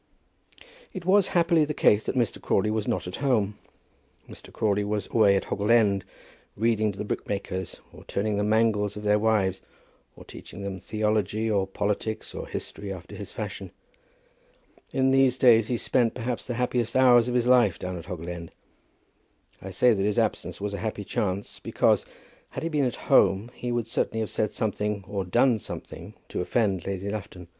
It was happily the case that Mr. Crawley was not at home. Mr. Crawley was away at Hoggle End, reading to the brickmakers, or turning the mangles of their wives, or teaching them theology, or politics, or history, after his fashion. In these days he spent, perhaps, the happiest hours of his life down at Hoggle End. I say that his absence was a happy chance, because, had he been at home, he would certainly have said something, or done something, to offend Lady Lufton.